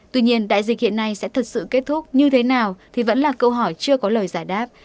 tuy nhiên đại dịch hiện nay sẽ thật sự kết thúc như thế nào thì vẫn là câu hỏi chưa có lời giải đáp